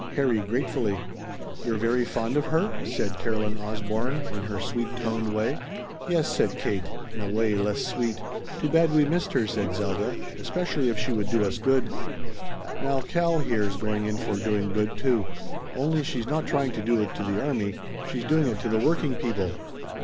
Harry gratefully. "You're very fond of her?" said Caroline Osborne in her sweet toned way. "Very," said Kate in way less sweet. "Too bad we missed her," said Zelda, "especially if she would do us good. Now Cal here's going in for doing good, too. Only she's not trying to do it to the army. She's doing it to the working people."